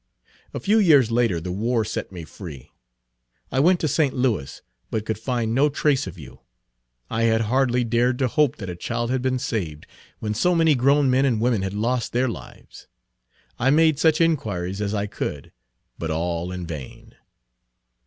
A few years later the war set me free. I went to St. Louis but could find no trace of you. I had hardly dared to hope that a child had been saved, when so many grown men and women had lost their lives. I made such inquiries as I could, but all in vain."